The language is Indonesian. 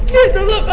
ya tolong aku pak